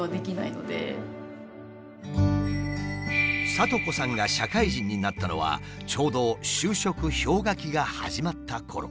智子さんが社会人になったのはちょうど就職氷河期が始まったころ。